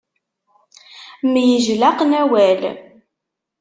Myejlaqen awal.